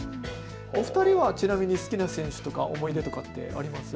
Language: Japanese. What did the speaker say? お二人はちなみに好きな選手、思い出とかありますか。